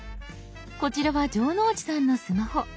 こちらは城之内さんのスマホ。